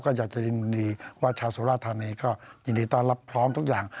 ก็อยากจะยินดีว่าชาวสุราธานีก็ยินดีต้อนรับพร้อมทุกอย่าง